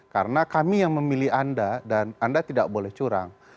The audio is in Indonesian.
karena kami yang memilih anda dan anda tidak boleh curang